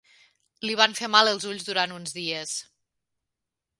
Li van fer mal els ulls durant uns dies.